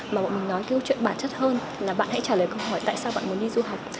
mà bọn mình nói câu chuyện bản chất hơn là bạn hãy trả lời câu hỏi tại sao bạn muốn đi du học